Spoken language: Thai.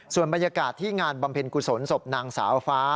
ส่วนบรรยากาศที่งานบำเพ็ญกุศลศพนางสาวฟ้า